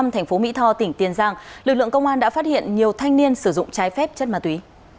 thành phố mỹ tho tỉnh tiền giang lực lượng công an đã phát hiện nhiều thanh niên sử dụng trái phép chất ma túy